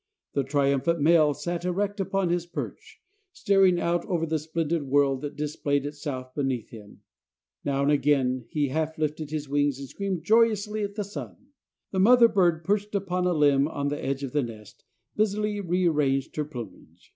The triumphant male sat erect upon his perch, staring out over the splendid world that displayed itself beneath him. Now and again he half lifted his wings and screamed joyously at the sun. The mother bird, perched upon a limb on the edge of the nest, busily rearranged her plumage.